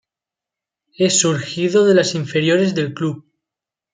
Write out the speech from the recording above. Es surgido de las inferiores del Club.